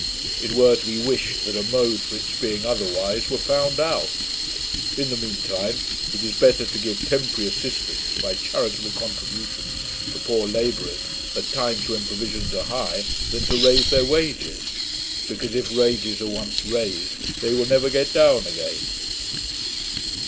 It were to be wished, that a mode for its being otherwise were found out. In the mean time, it is better to give temporary assistance by charitable contributions to poor labourers, at times when provisions are high, than to raise their wages; because, if wages are once raised, they will never get down again.'